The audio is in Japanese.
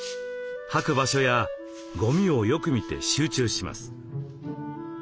はく場所やごみをよく見て集中します。